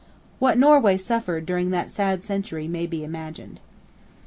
What Norway suffered during that sad century may be imagined.